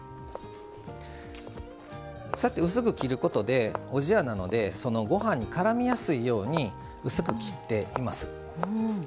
薄く切ることで、おじやなのでご飯にからみやすいように薄く切っています。